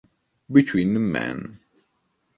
Between Men